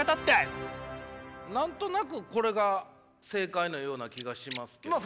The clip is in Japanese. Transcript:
何となくこれが正解のような気がしますけどね。